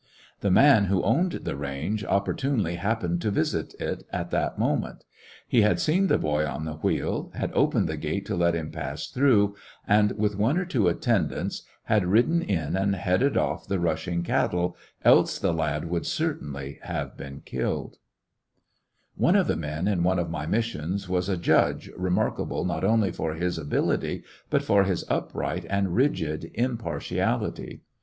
The man who owned the range opportunely happened to visit it at that moment. He had seen the boy on the wheel, had opened the gate to let him pass through, and, with one or two attendants, had ridden in and headed off 99 Iflecoiiections of a the rushing cattle, else the lad would certainly have been killed. The just fudge One of the men in one of my missions was a judge remarkable not only for his ability, but for his upright and rigid impartiality.